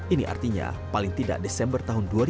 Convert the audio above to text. ini artinya paling tidak desember tahun dua ribu dua puluh